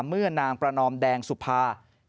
เมื่อนางประนอมแดงสุภา